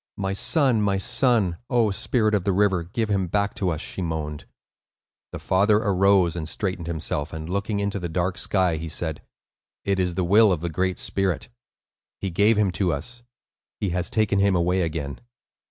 "My son, my son! O spirit of the river, give him back to us!" she moaned. The father arose and straightened himself, and, looking into the dark sky, he said: "It is the will of the Great Spirit. He gave him to us. He has taken him away again."